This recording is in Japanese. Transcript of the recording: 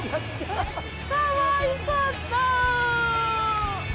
かわいかった。